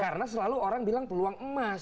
karena selalu orang bilang peluang emas